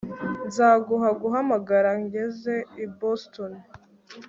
Nzaguha guhamagara ngeze i Boston